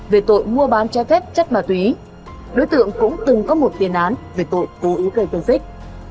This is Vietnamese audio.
về tội mua bán che phép chất ma túy đối tượng cũng từng có một tiền án về tội tù ý gây tương tích